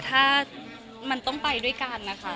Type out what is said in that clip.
ถ้ามันต้องไปด้วยกันนะคะ